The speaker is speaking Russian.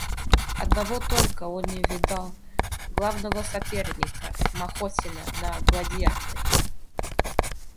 Одного только он не видал, главного соперника, Махотина на Гладиаторе.